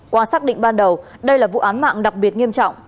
qua xác định ban đầu đây là vụ án mạng đặc biệt nghiêm trọng